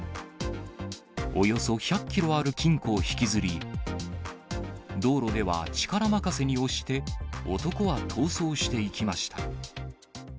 およそ１００キロある金庫を引きずり、道路では力任せに押して、男は逃走していきました。